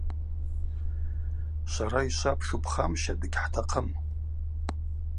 Швара йшвапшу пхамща дыгьхӏтахъым.